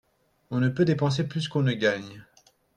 On ne peut dépenser plus qu’on ne gagne.